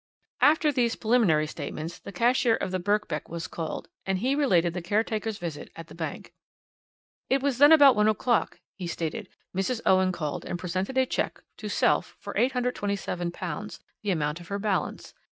"After these preliminary statements the cashier of the Birkbeck was called and he related the caretaker's visit at the bank. "'It was then about one o'clock,' he stated. 'Mrs. Owen called and presented a cheque to self for £827, the amount of her balance.